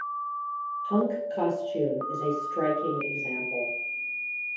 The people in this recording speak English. Punk costume is a striking example.